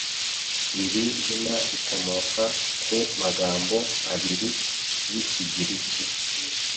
Iri zina rikomoka ku magambo abiri y’ikigiriki